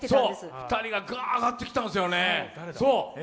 ２人がぐわーっと上がってきたんですよね。